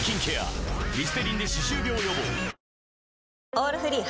「オールフリー」